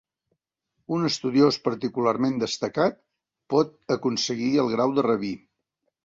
Un estudiós particularment destacat pot aconseguir el grau de rabí.